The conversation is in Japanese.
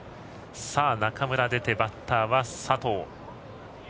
中村が出て、バッターは佐藤。